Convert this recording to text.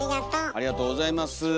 ありがとうございます。